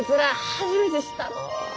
初めて知ったのう！